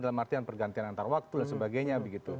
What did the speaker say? dalam artian pergantian antar waktu dan sebagainya begitu